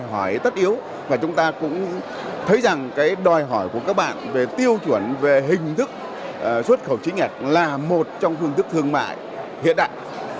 đòi hỏi tất yếu và chúng ta cũng thấy rằng cái đòi hỏi của các bạn về tiêu chuẩn về hình thức xuất khẩu chí nhạc là một trong phương thức thương mại hiện đại